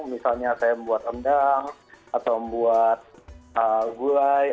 misalnya saya membuat rendang atau membuat gulai